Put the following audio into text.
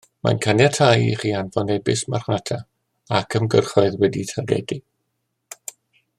Mae'n caniatáu i chi anfon e-byst marchnata ac ymgyrchoedd wedi'u targedu